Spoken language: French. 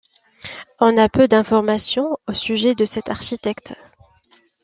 On a peu d'informations au sujet de cet architecte.